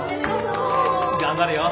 頑張れよ。